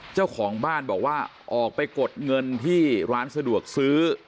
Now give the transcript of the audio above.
เจ้าของบ้านบอกว่าออกไปกดเงินที่ร้านสะดวกซื้อ